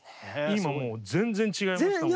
今もう全然違いましたもんね。